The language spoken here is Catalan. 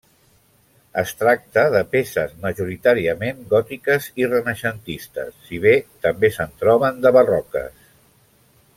Es tracta de peces majoritàriament gòtiques i renaixentistes, si bé també se'n troben de barroques.